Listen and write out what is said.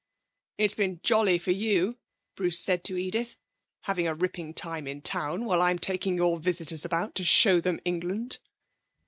'It's been jolly for you,' Bruce said to Edith, 'having a ripping time in town while I'm taking your visitors about to show them England.'